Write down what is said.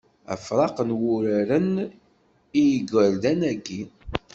Afraq n wuraren i yigerdan-agi.